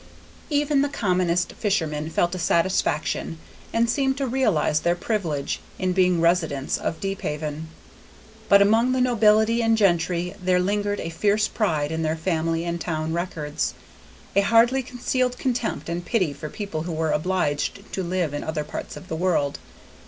Even the commonest fishermen felt a satisfaction, and seemed to realize their privilege, in being residents of Deephaven; but among the nobility and gentry there lingered a fierce pride in their family and town records, and a hardly concealed contempt and pity for people who were obliged to live in other parts of the world.